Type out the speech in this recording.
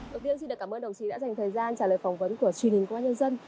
đầu tiên xin cảm ơn đồng chí đã dành thời gian trả lời phỏng vấn của truyền hình của các nhân dân